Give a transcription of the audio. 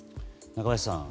中林さん